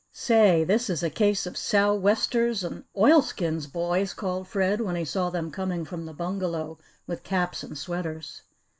"Say, this is a case of sou'westers and oilskins, boys," called Fred, when he saw them coming from the bungalow with caps and sweaters.